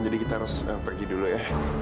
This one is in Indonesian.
jadi kita harus pergi dulu ya